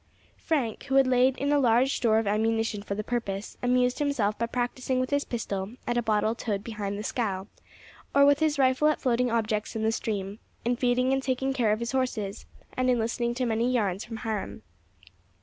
Frank, who had laid in a large store of ammunition for the purpose, amused himself by practising with his pistol at a bottle towed behind the scow, or with his rifle at floating objects in the stream, in feeding and taking care of his horses, and in listening to many yarns from Hiram.